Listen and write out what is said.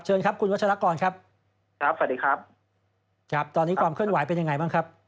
ครับคุณวัชรากรครับครับสวัสดีครับครับตอนนี้ความเคลื่อนไหวเป็นยังไงบ้างครับ